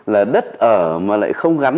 là đất ở mà lại không gắn